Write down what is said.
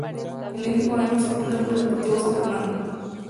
En ese mismo año se funda el Club Deportivo San Fernando.